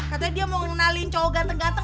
katanya dia mau ngenalin cowok ganteng ganteng